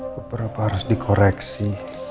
beberapa harus dikoreksi